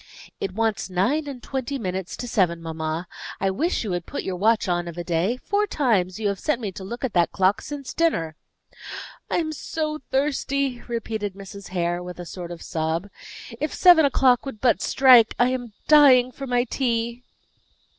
"It wants nine and twenty minutes to seven, mamma. I wish you would put your watch on of a day; four times you have sent me to look at that clock since dinner." "I am so thirsty!" repeated Mrs. Hare, with a sort of sob. "If seven o'clock would but strike! I am dying for my tea."